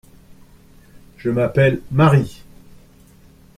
Je m’appelle Mary.